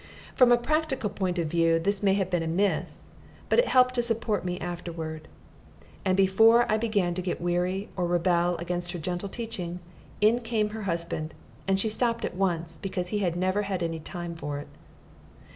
From a practical point of view this may have been amiss, but it helped to support me afterward. And before I began to get weary or rebel against her gentle teaching, in came her husband; and she stopped at once, because he had never any time for it.